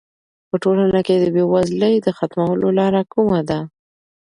په ټولنه کې د بې وزلۍ د ختمولو لاره کومه ده؟